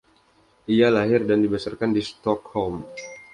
Ia lahir dan dibesarkan di Stockholm.